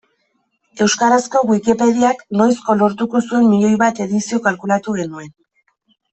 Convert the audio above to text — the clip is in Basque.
Euskarazko Wikipediak noizko lortuko zuen miloi bat edizio kalkulatu genuen.